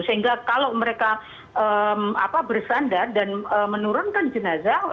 sehingga kalau mereka bersandar dan menurunkan jenazah